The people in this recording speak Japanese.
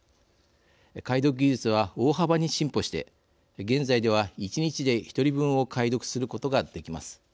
解読技術は大幅に進歩して現在では１日で１人分を解読することができます。